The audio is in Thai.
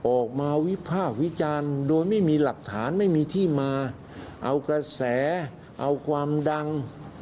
วิภาควิจารณ์โดยไม่มีหลักฐานไม่มีที่มาเอากระแสเอาความดัง